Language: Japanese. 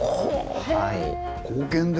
はい。